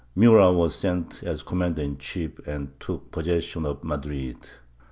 Murat was sent as com mander in chief and took possession of Madrid.